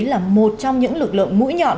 là một trong những lực lượng mũi nhọn